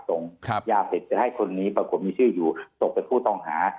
ส่งยาเสพจะให้คนนี้ปรากฏมีชื่ออยู่ส่งไปผู้ต้องหา